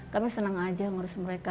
kami senang saja mengurus mereka